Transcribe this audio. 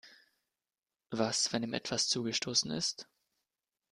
Was, wenn ihm etwas zugestoßen ist?